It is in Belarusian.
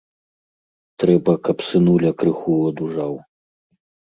Трэба, каб сынуля крыху адужаў.